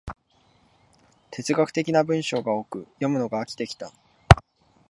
哲学的な文章が多く、読むのが飽きてきた